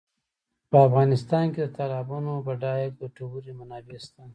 په افغانستان کې د تالابونو بډایه او ګټورې منابع شته.